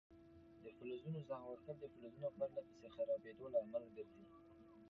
د فلزونو زنګ وهل د فلزونو پر له پسې خرابیدو لامل ګرځي.